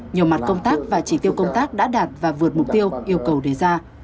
nhiều mặt công tác và chỉ tiêu công tác đã đạt và vượt mục tiêu yêu cầu đề ra